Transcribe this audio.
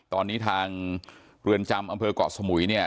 ตอนนี้ทางเรือนจำอำเภอก่อสมุย